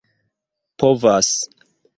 povas